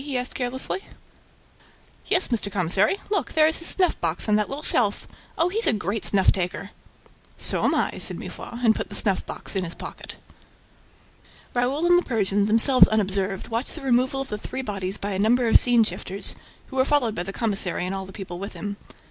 he asked carelessly. "'Yes, Mr. Commissary ... Look, there is his snuff box on that little shelf ... Oh! he's a great snuff taker!" "So am I," said Mifroid and put the snuff box in his pocket. Raoul and the Persian, themselves unobserved, watched the removal of the three bodies by a number of scene shifters, who were followed by the commissary and all the people with him.